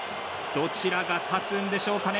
どちらが勝つんでしょうかね